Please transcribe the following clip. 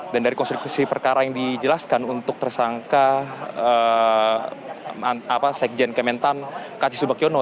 dan dari konstruksi perkara yang dijelaskan untuk tersangka sekjen kementan kasti subakyono